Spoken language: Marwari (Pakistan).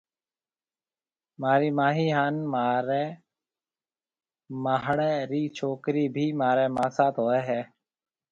مهارِي ماهِي هانَ مهاريَ ماهڙيَ رِي ڇوڪرِي ڀِي مهارِي ماسات هوئيَ هيَ۔